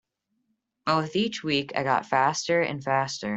But with each week I got faster and faster.